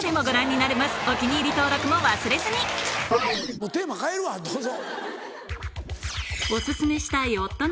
もうテーマ変えるわどうぞ。